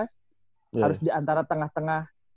harus diantara tengah tengah